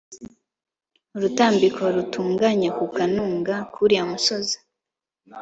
urutambiro rutunganye ku kanunga k'uriya musozi